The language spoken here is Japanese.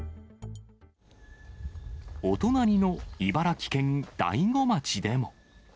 お隣の茨城県大子町でも。